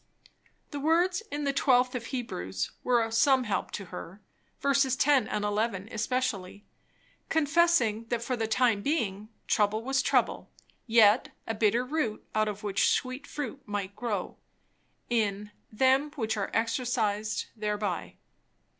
The words in the twelfth of Hebrews were some help to her; verses 10 and 11 especially; confessing that for the time being, trouble was trouble, yet a bitter root out of which sweet fruit might grow; in "them which are exercised thereby."